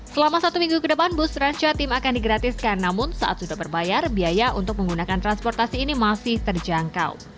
selama satu minggu ke depan bus transjatim akan digratiskan namun saat sudah berbayar biaya untuk menggunakan transportasi ini masih terjangkau